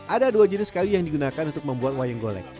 ada dua jenis kayu yang digunakan untuk membuat wayang golek